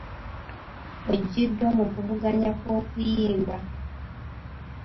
Oggyiddwa mu kuvuganya kw'okuyimba.